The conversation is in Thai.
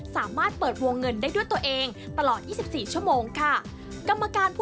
สามารถเปิดวงเงินได้ด้วยตัวเองตลอด๒๔ชั่วโมงค่ะ